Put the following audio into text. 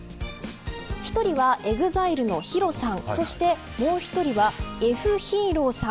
１人はＥＸＩＬＥのＨＩＲＯさんそしてもう１人はＦ．ＨＥＲＯさん。